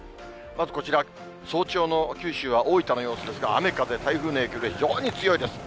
まずこちら、早朝の九州は大分の様子ですが、雨風、台風の影響で非常に強いです。